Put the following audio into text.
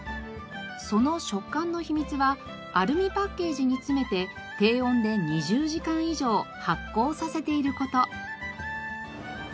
その食感の秘密はアルミパッケージに詰めて低温で２０時間以上発酵させている事。